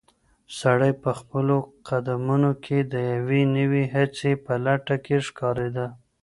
سړی په خپلو قدمونو کې د یوې نوې هڅې په لټه کې ښکارېده.